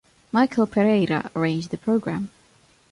Michael Pereira arranged the program.